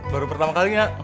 baru pertama kalinya